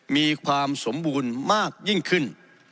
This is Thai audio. มีความสมบูรณ์มากยิ่งขึ้น